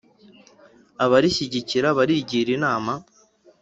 abarishyigikira barigira inama